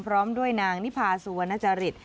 พร้อมด้วยนางนิพาสุวนัจภิษฐ์